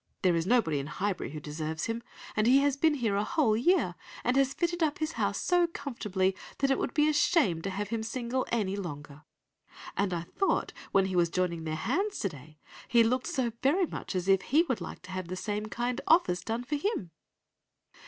There is nobody in Highbury who deserves him, and he has been here a whole year, and has fitted up his house so comfortably that it would be a shame to have him single any longer; and I thought when he was joining their hands to day, he looked so very much as if he would like to have the same kind office done for him!